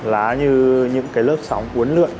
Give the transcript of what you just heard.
lá như những lớp sóng cuốn lượn